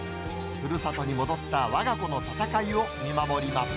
ふるさとに戻ったわが子の戦いを見守ります。